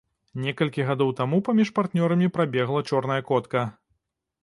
Некалькі гадоў таму паміж партнёрамі прабегла чорная котка.